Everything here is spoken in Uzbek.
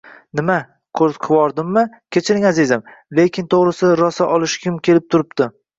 Nima? Qoʻrqitvordimmi? Kechiring, azizim, lekin, toʻgʻrisi, rosa olishgim kelib turibdi.